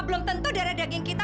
belum tentu darah daging kita